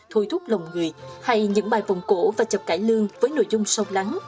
thối thuốc lòng người hay những bài vòng cổ và chọc cải lương với nội dung sâu lắng